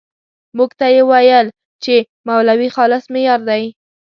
موږ ته یې ويل چې مولوي خالص مې يار دی.